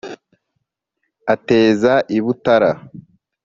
ateza i butara